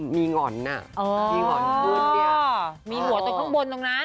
มีห่อนอ่ะมีหัวตรงข้างบนตรงนั้น